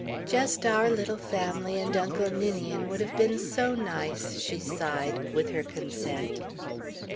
"Just our little family and Uncle Ninian would have been so nice," she sighed, with her consent.